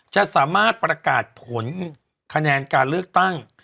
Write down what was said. จะสามารถประกาศผลคะแนนการเลือกตั้ง